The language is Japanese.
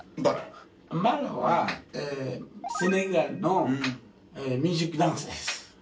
ンバラはセネガルのミュージックダンスです。